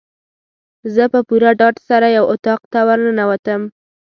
زه په پوره ډاډ سره یو اطاق ته ورننوتم.